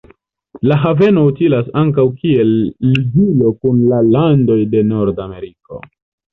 La haveno utilas ankaŭ kiel ligilo kun la landoj de Nordafriko.